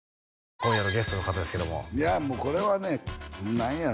今夜のゲストの方ですけどもいやこれはね何やろ？